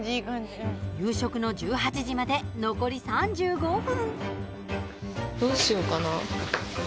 夕食の１８時まで残り３５分。